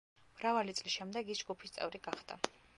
მრავალი წლის შემდეგ ის ჯგუფის წევრი გახდა.